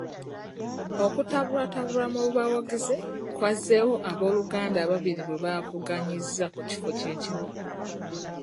Okutabulwatabulwa mu bawagizi kwazzeewo ab'oluganda ababiri bwe baavuganyizza ku kifo kye kimu.